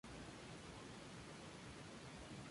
Sus escritos cubren todas las ciencias conocidas en su medio.